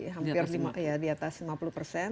hampir di atas lima puluh persen